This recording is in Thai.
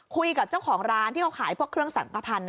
คุยกับเจ้าของร้านที่เขาขายพวกเครื่องสังขพันธ์